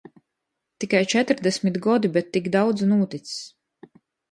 Tikai četrdesmit godi, bet tik daudz nūtics.